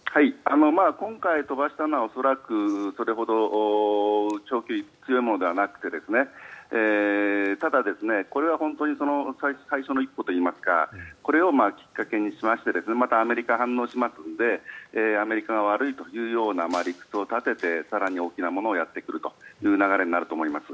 今回、飛ばしたのは恐らくそれほどの長距離強いものではなくてただこれが本当に最初の一歩と言いますかこれをきっかけにしてまたアメリカが反応しますのでアメリカが悪いという理屈を立てて更に大きなものをやってくるという流れになると思います。